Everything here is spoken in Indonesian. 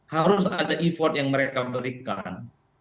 harus ada effort yang mereka berikan